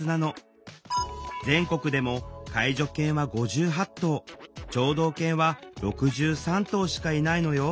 全国でも介助犬は５８頭聴導犬は６３頭しかいないのよ。